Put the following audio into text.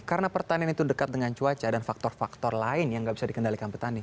karena pertanian itu dekat dengan cuaca dan faktor faktor lain yang nggak bisa dikendalikan petani